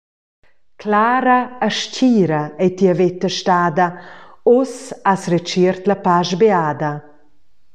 Clara e stgira ei tia veta stada, uss has retschiert la pasch beada.